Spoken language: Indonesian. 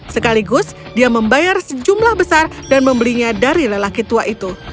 sekaligus dia membayar sejumlah besar dan membelinya dari lelaki tua itu